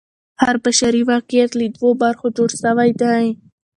هر بشري واقعیت له دوو برخو جوړ سوی دی.